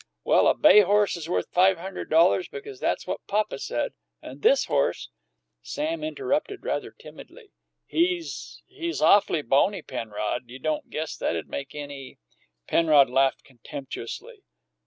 Well, a bay horse is worth five hundred dollars, because that's what papa said, and this horse " Sam interrupted rather timidly. "He he's awful bony, Penrod. You don't guess that'd make any " Penrod laughed contemptuously.